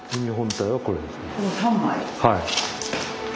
はい。